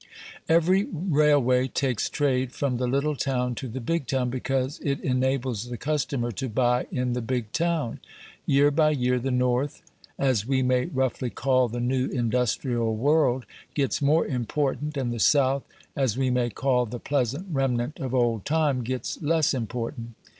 Every railway takes trade from the little town to the big town because it enables the customer to buy in the big town. Year by year the North (as we may roughly call the new industrial world) gets more important, and the South (as we may call the pleasant remnant of old time) gets less important.